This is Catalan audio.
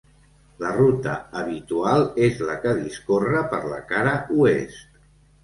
La ruta habitual és la que discorre per la cara oest.